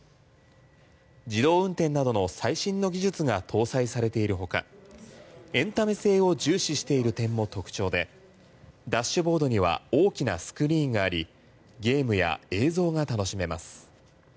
自動運転などの最新の技術が搭載されているほかエンタメ性を重視している点も特徴で、ダッシュボードには大きなスクリーンがありゲームや映像が楽しめます。